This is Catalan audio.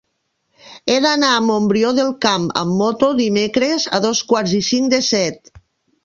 He d'anar a Montbrió del Camp amb moto dimecres a dos quarts i cinc de set.